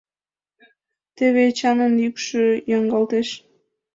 Теве Эчанын йӱкшӧ йоҥгалтеш: